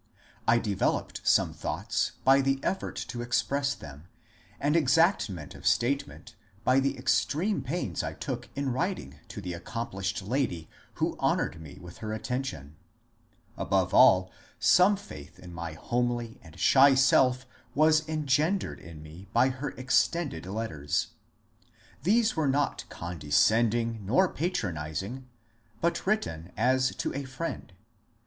I developed some thoughts by the effort to express them, and exactness of state ment by the extreme pains I took in writing to the accom plished lady who honoured me with her attention. Above all, some faith in my homely and shy self was engendered in me JUSTICE DANIEL 33 by her extended letters. These were not condescending nor patronizing, but written as to a friend.